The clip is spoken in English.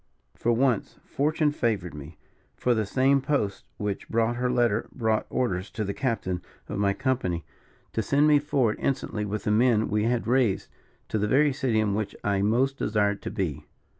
For once, fortune favoured me; for the same post which brought her letter brought orders to the captain of my company to send me forward instantly with the men we had raised, to the very city in which I most desired to be.